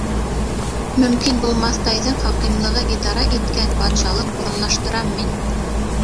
Мөмкин булмаҫтайҙың хакимлығы идара иткән батшалыҡ урынлаштырам мин.